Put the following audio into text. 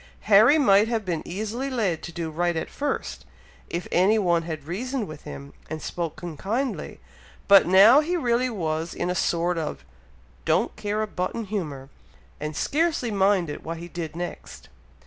Harry might have been easily led to do right at first, if any one had reasoned with him and spoken kindly, but now he really was in a sort of don't care a button humour, and scarcely minded what he did next.